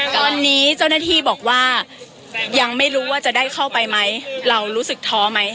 ตอนนี้เจ้าหน้าที่บอกว่ายังไม่รู้ว่าจะได้เข้าไปไหมเรารู้สึกท้อไหม